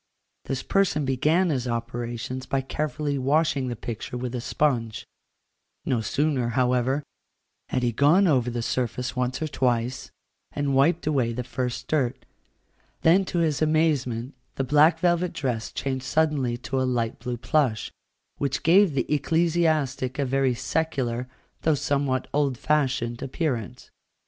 This person began his operations by carefully washing the picture with a sponge: no sooner, however, had he gone over the surface once or twice, and wiped away the first dirt, than to his amazement the black velvet dress changed suddenly to a light blue plush, which gave the ecclesiastic a very secular, though somewhat old fashioned, appearance.